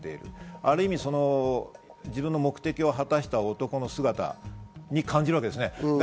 ある意味、自分の目的を果たした男の姿に感じるわけですね。